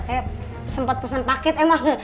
saya sempat pesen paket emang